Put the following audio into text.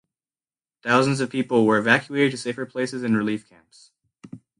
Thousands of people were evacuated to safer places and relief camps.